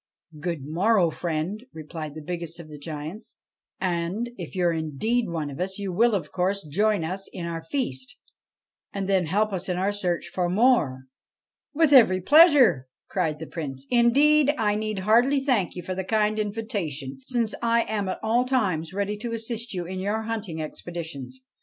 ' Good morrow, friend 1 ' replied the biggest of the giants. ' And, if you 're indeed one of us, you will, of course, join us in our feast, and then help us in our search for more.' ' With every pleasure I ' cried the Prince ;' indeed, I need hardly thank you for the kind invitation, since I am at all times ready to assist you in your hunting expeditions.